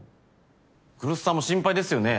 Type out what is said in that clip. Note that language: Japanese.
来栖さんも心配ですよね？